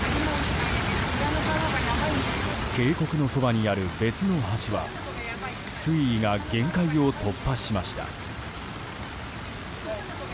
渓谷のそばにある別の橋は水位が限界を突破しました。